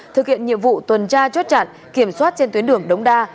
thực hiện nhiệm vụ tuần tra chốt chặn kiểm soát trên tuyến đường đống đa